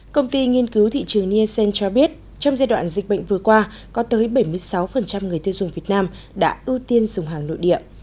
công ty nghiên cứu thị trường nielsen cho biết trong giai đoạn dịch bệnh vừa qua có tới bảy mươi sáu người tiêu dùng việt nam đã ưu tiên dùng hàng nội địa